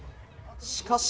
しかし。